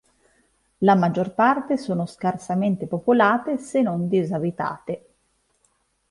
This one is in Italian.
La maggior parte sono scarsamente popolate se non disabitate.